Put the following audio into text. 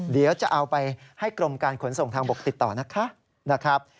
เดี๋ยวจะเอาไปให้กรมการขนส่งทางบกติดต่อนะคะ